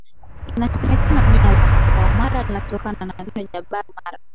Inasemekana jina la mkoa wa Mara linatokana na neno Jabar Mara